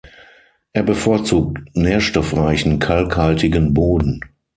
Er bevorzugt nährstoffreichen, kalkhaltigen Boden.